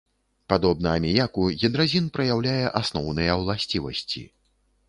Падобна аміяку гідразін праяўляе асноўныя ўласцівасці.